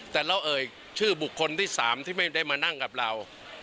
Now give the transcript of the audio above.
แต่เราเอ่ยชื่อบุคคลที่๓ที่ไม่ได้มานั่งกับเรา